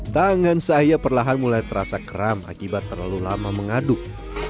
tangan saya perlahan mulai terasa keram akibat terlalu lama mengaduk